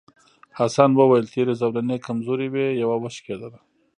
حسن وویل تېرې زولنې کمزورې وې یوه وشکېده.